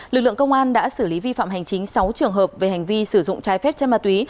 lực lượng công an đã xử lý vi phạm hành chính sáu trường hợp về hành vi sử dụng trái phép chất ma túy